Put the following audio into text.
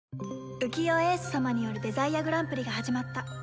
浮世英寿様によるデザイアグランプリが始まった